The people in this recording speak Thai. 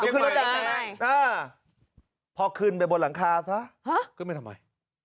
ต้องขึ้นรถแดงอ่าพอขึ้นไปบนหลังคาเถอะก็ไม่ทำไม